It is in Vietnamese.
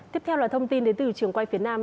tiếp theo là thông tin đến từ trường quay phía nam